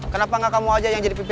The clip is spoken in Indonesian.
kita nunggu di sini